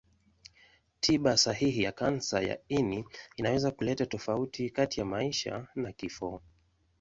Tiba sahihi ya kansa ya ini inaweza kuleta tofauti kati ya maisha na kifo.